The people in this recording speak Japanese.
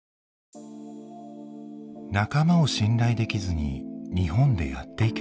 仲間を信頼できずに日本でやっていけるのか。